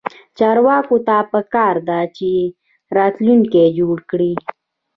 چارواکو ته پکار ده چې، راتلونکی جوړ کړي